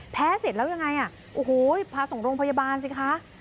เสร็จแล้วยังไงอ่ะโอ้โหพาส่งโรงพยาบาลสิคะ